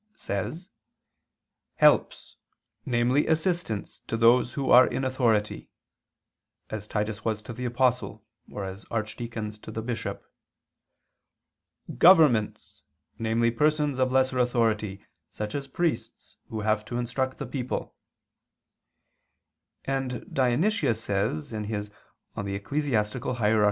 ]," says: "Helps, namely assistants to those who are in authority," as Titus was to the Apostle, or as archdeacons to the bishop; "governments, namely persons of lesser authority, such as priests who have to instruct the people": and Dionysius says (Eccl. Hier.